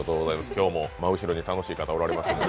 今日も真後ろに楽しい方がおられますので。